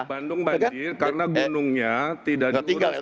bandung banjir karena gunungnya tidak diurus